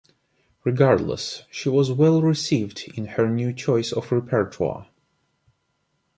Regardless, she was well received in her new choice of repertoire.